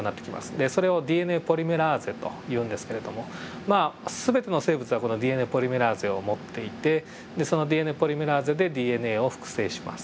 でそれをＤＮＡポリメラーゼというんですけれどもまあ全ての生物はこのＤＮＡポリメラーゼを持っていてそのＤＮＡポリメラーゼでＤＮＡを複製します。